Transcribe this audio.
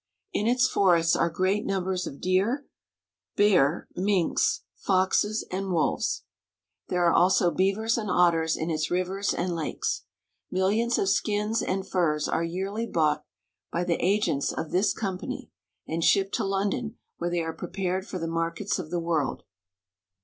In its forests are great num bers of deer, bears, minks, foxes, and wolves. There are also beavers and otters in its rivers and lakes. Millions of skins and furs are yearly bought by the agents of this company, and shipped to London, where they are pre pared for the markets of the world.